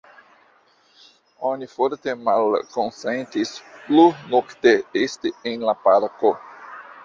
Oni forte malkonsentis plu nokte esti en la parko.